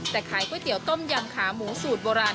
แต่ขายก๋วยเตี๋ยต้มยำขาหมูสูตรโบราณ